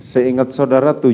seingat saudara tujuh